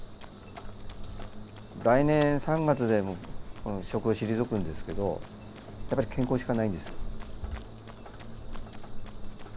来年３月でもう職を退くんですけどやっぱり健康しかないんですよ。